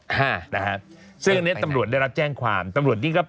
สนุนโดยอีซูซูดีแมคบลูพาวเวอร์นวัตกรรมเปลี่ยนโลก